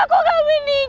aku sudah selesai